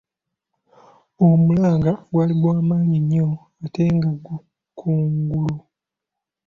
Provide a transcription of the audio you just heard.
Omulanga gwali gwamanyi nnyo ate nga gukungula.